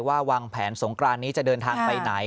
วางแผนสงกรานนี้จะเดินทางไปไหน